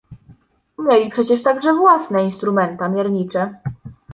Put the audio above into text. "Mieli przecież także własne instrumenta miernicze."